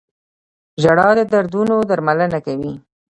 • ژړا د دردونو درملنه کوي.